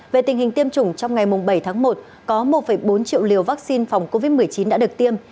về tình hình tiêm chủng trong ngày bảy tháng một có một bốn triệu liều vaccine phòng covid một mươi chín đã được tiêm